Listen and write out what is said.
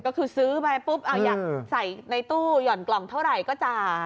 ก็คือซื้อไปปุ๊บเอาอยากใส่ในตู้หย่อนกล่องเท่าไหร่ก็จ่า